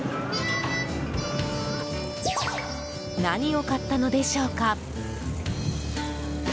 何を買ったのでしょうか。